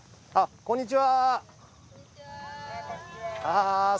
こんにちは。